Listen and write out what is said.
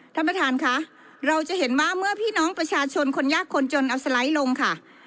ท่านประธานค่ะเราจะเห็นว่าเมื่อพี่น้องประชาชนคนยากคนจนเอาสไลด์ลงค่ะ